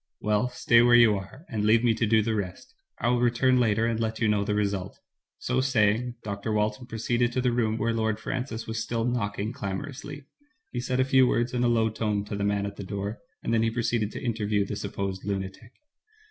"Well, stay where you are, and leave me to do the rest. I will return later, and let you know the result.'* So saying, Dr. Walton proceeded to the room where Lord Francis was still knocking clamorously. He said a few words in a low tone to the man at the door, and then he proceeded to interview the supposed lunatic.